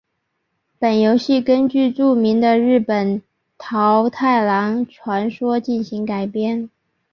本游戏根据著名的日本桃太郎传说进行改编。